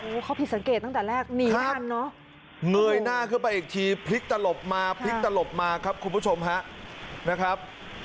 เขาผิดสังเกตตั้งแต่แรกหนีห้ามเนอะเงยหน้าขึ้นมาอีกทีพลิกตลบมาพลิกตลบมาครับคุณผู้ชมฮะนะครับ